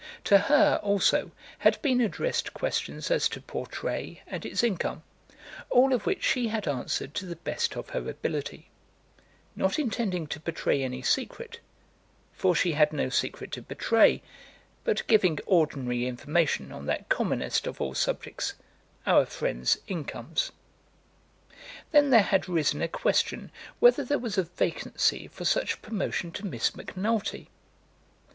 To her, also, had been addressed questions as to Portray and its income, all of which she had answered to the best of her ability; not intending to betray any secret, for she had no secret to betray; but giving ordinary information on that commonest of all subjects, our friends' incomes. Then there had risen a question whether there was a vacancy for such promotion to Miss Macnulty.